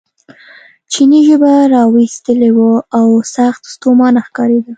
چیني ژبه را ویستلې وه او سخت ستومانه ښکارېده.